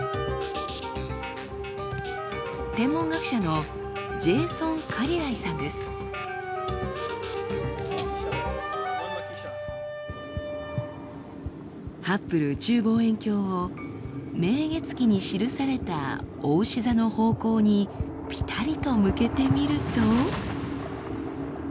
天文学者のハッブル宇宙望遠鏡を「明月記」に記されたおうし座の方向にぴたりと向けてみると。